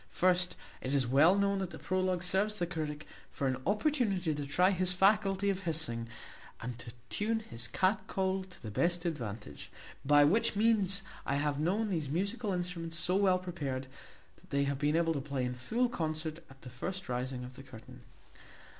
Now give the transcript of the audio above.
First, it is well known that the prologue serves the critic for an opportunity to try his faculty of hissing, and to tune his cat call to the best advantage; by which means, I have known those musical instruments so well prepared, that they have been able to play in full concert at the first rising of the curtain.